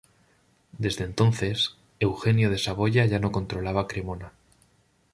Desde entonces, Eugenio de Saboya ya no controlaba Cremona.